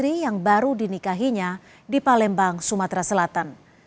sri yang baru dinikahinya di palembang sumatera selatan